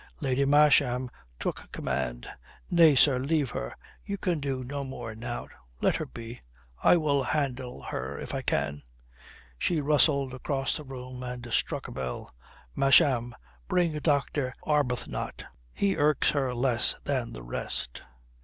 Lady Masham took command. "Nay, sir, leave her. You can do no more now. Let her be. I will handle her if I can." She rustled across the room and struck a bell. "Masham, bring Dr. Arbuthnot. He irks her less than the rest."